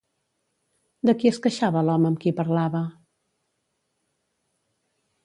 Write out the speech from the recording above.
De qui es queixava l'home amb qui parlava?